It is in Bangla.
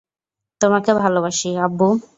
তোমাকে ভালোবাসি, আব্বু!